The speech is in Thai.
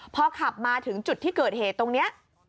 พอขับมาถึงจุดที่เกิดเหตุตรงนี้